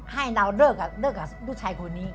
ให้เราเลิกกับลูกชายคนนี้